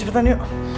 yaudah cepetan yuk